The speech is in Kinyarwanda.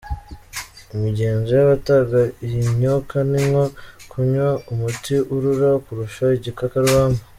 Imigenzo y’abatanga iyi myuka ni nko kunywa umuti urura kurusha igikakarubamba.